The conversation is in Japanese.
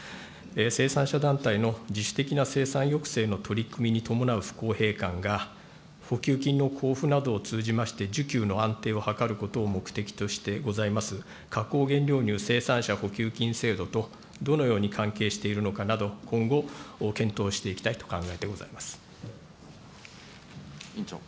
生産者団体の自主的な生産抑制の取り組みに伴う不公平感が、補給金の交付などを通じまして、需給の安定を図ることを目的としてございます、加工原料乳生産者補給金制度とどのように関係しているのかなど、今後検討していきたいと考えてございます。